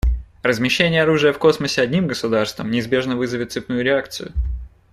Размещение оружия в космосе одним государством неизбежно вызовет цепную реакцию.